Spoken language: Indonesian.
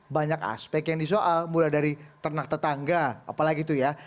banyak aspek yang disoal mulai dari ternak tetangga apalagi itu ya